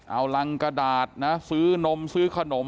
เอารังกระดาษนะซื้อนมซื้อขนม